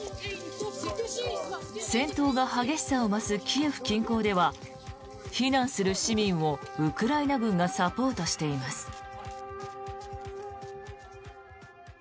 戦闘が激しさを増すキエフ近郊では避難する市民を、ウクライナ軍がサポートしています。